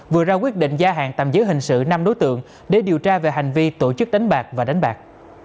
vừa ra quyết định gia hạn tạm giữ hình sự năm đối tượng để điều tra về hành vi tổ chức đánh bạc và đánh bạc